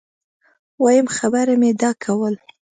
وایم خبره مي دا کول